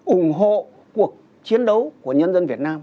ủng hộ cuộc chiến đấu của nhân dân việt nam